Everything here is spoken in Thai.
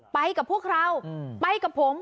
ไปกับพวกเราไปกับผม